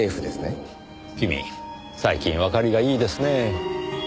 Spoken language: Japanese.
君最近わかりがいいですねぇ。